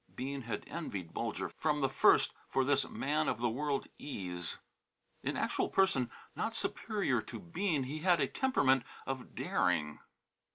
Bean had envied Bulger from the first for this man of the world ease. In actual person not superior to Bean, he had a temperament of daring.